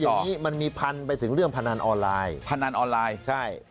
อย่างนี้มันมีพันไปถึงเรื่องพนันออนไลน์พนันออนไลน์ใช่